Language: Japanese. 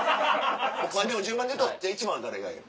でも順番でいうとじゃあ１番誰がええ？